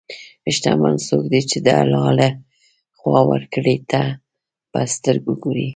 شتمن څوک دی چې د الله له خوا ورکړې ته په سترګو ګوري.